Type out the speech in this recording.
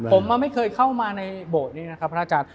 ผมไม่เคยเข้ามาในโบสถ์นี้นะครับพระอาจารย์